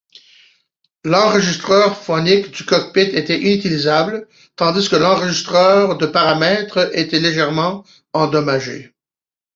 L'enregistreur phonique du cockpit était inutilisable tandis que l'enregistreur de paramètres était légèrement endommagé.